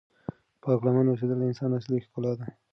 پاک لمن اوسېدل د انسان اصلی ښکلا ده.